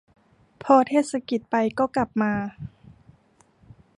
พอเทศกิจไปก็กลับมา